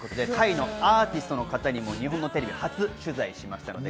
タイのアーティストの方にも日本のテレビ初取材しました。